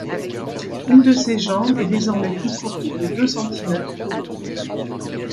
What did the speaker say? Une de ses jambes est désormais plus courte de deux centimètres que l'autre.